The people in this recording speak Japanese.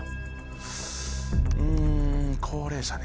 うん高齢者ね。